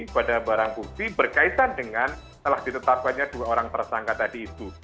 kepada barang bukti berkaitan dengan telah ditetapkannya dua orang tersangka tadi itu